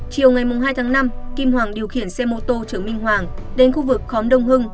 chiều ngày hai tháng năm kim hoàng điều khiển xe mô tô chở minh hoàng đến khu vực khóm đông hưng